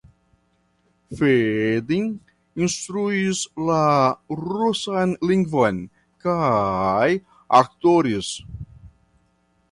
Fedin instruis la rusan lingvon kaj aktoris.